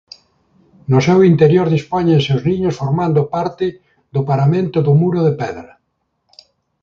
No seu interior dispóñense os niños formando parte do paramento do muro de pedra.